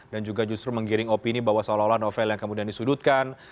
dan juga justru menggiring opini bahwa seolah olah novel yang kemudian disudutkan